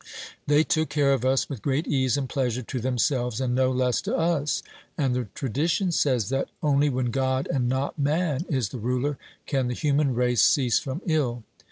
They took care of us with great ease and pleasure to themselves, and no less to us; and the tradition says that only when God, and not man, is the ruler, can the human race cease from ill.